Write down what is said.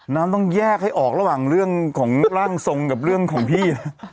น้ำต้องแยกให้ออกระหว่างเรื่องของร่างทรงกับเรื่องของพี่นะ